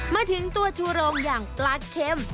มาถึงตัวชูโรงอย่างปลาเค็ม